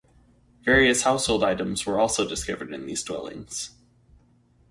Various household items were also discovered in these dwellings.